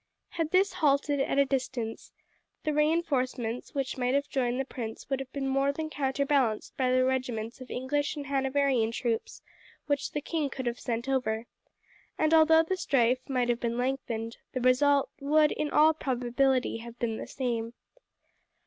Had this halted at a distance, the reinforcements which might have joined the prince would have been more than counterbalanced by the regiments of English and Hanoverian troops which the king could have sent over, and although the strife might have been lengthened the result would in all probability have been the same.